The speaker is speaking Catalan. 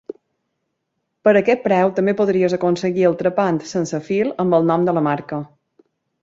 Per a aquest preu també podries aconseguir el trepant sense fil amb el nom de la marca.